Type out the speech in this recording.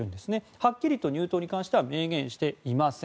はっきりと入党に関しては明言していません。